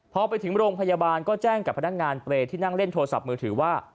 พอไปถึงโรงพยาบาลก็แจ้งกับพนักงานเปรย์ที่นั่งเล่นโทรศัพท์มือถือว่า